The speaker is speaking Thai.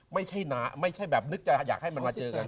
ไม่ใช่น้าไม่ใช่แบบนึกจะอยากให้มันมาเจอกัน